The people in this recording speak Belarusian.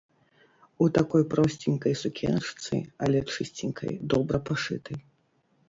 У такой просценькай сукеначцы, але чысценькай, добра пашытай.